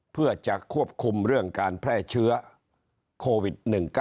เพื่อจะควบคุมเรื่องการแพร่เชื้อโควิด๑๙